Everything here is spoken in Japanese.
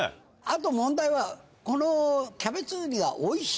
あと問題はこのキャベツウニは。